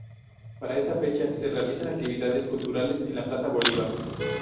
Para esta fecha se realizan actividades culturales en la plaza Bolívar.